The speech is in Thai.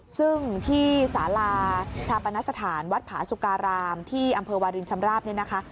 ซึ่งที่สาราชาปนสถานวัดผาสุการามที่อำเภอวาลินชำราบเนี่ยนะคะ